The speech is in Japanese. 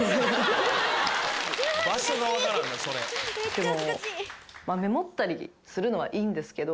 でもメモったりするのはいいんですけど。